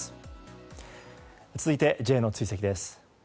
続いてＪの追跡です。